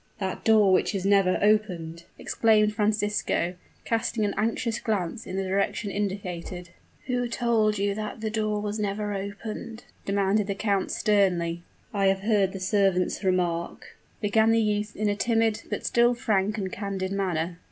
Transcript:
"That door which is never opened!" exclaimed Francisco, casting an anxious glance in the direction indicated. "Who told you that the door was never opened," demanded the count, sternly. "I have heard the servants remark " began the youth in a timid, but still frank and candid manner.